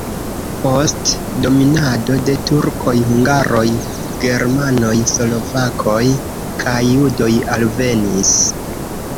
Post dominado de turkoj hungaroj, germanoj, slovakoj kaj judoj alvenis.